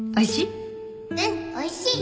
おいしい？